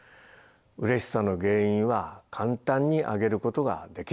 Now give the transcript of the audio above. うれしさの原因は簡単に挙げることができる。